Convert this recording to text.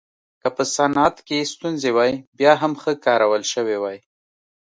که په صنعت کې ستونزې وای بیا هم ښه کارول شوې وای.